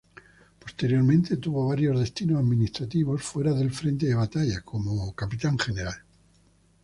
Posteriormente tuvo varios destinos administrativos fuera del frente de batalla como Capitán general.